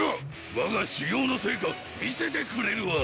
わが修行の成果見せてくれるわ！